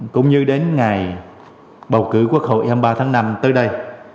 cũng như đến ngày bầu cử quốc hội ba tháng năm tới đây